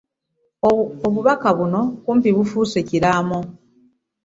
Obubaka buno kumpi obufuuse ekiraamo